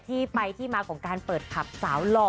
ที่ไปที่มาของการเปิดผับสาวหล่อ